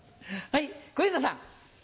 はい小遊三さん。